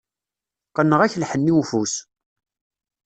Qqneɣ-ak lḥenni n ufus.